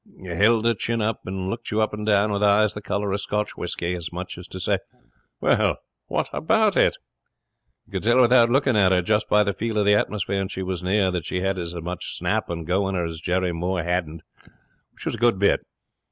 Held her chin up and looked you up and down with eyes the colour of Scotch whisky, as much as to say, "Well, what about it?" You could tell without looking at her, just by the feel of the atmosphere when she was near, that she had as much snap and go in her as Jerry Moore hadn't, which was a good bit.